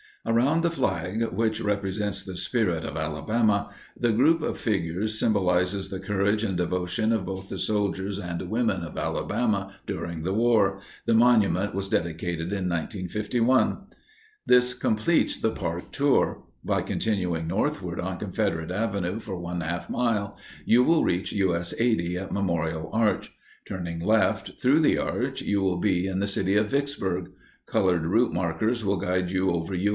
Around the flag—which represents the spirit of Alabama—the group of figures symbolizes the courage and devotion of both the soldiers and women of Alabama during the war. The monument was dedicated in 1951. This completes the park tour. By continuing northward on Confederate Avenue for one half mile, you will reach U. S. 80 at Memorial Arch. Turning left, through the arch, you will be in the city of Vicksburg. Colored route markers will guide you over U.